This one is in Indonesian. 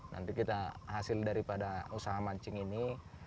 nanti kita hasil daripada usaha mancing ini